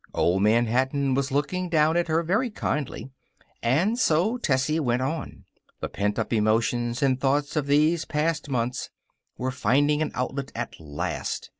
Old Man Hatton was looking down at her very kindly. And so Tessie went on. The pent up emotions and thoughts of these past months were finding an outlet at last.